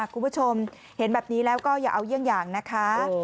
คุณผู้ชมเห็นแบบนี้แล้วก็อย่าเอาเยี่ยงอย่างนะคะ